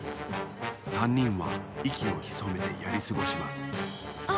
３にんはいきをひそめてやりすごしますあっ